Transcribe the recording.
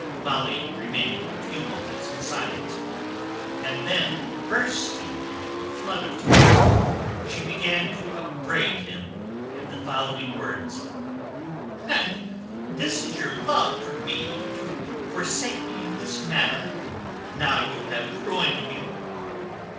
Molly remained a few moments in silence, and then bursting into a flood of tears, she began to upbraid him in the following words: "And this is your love for me, to forsake me in this manner, now you have ruined me!